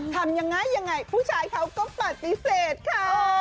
ทำยังไงผู้ชายเค้าก็ปฏิเสธค่ะ